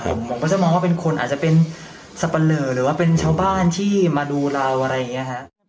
ผมก็จะมองว่าเป็นคนอาจจะเป็นสับปะเลอหรือว่าเป็นชาวบ้านที่มาดูเราอะไรอย่างนี้ฮะ